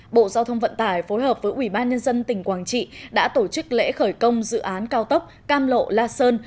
bộ giao thông vận tải phối hợp với ubnd tỉnh quảng trị đã tổ chức lễ khởi công dự án cao tốc cam lộ la sơn